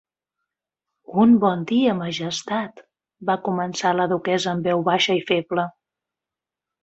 "Un bon dia, Majestat!", va començar la duquessa en veu baixa i feble.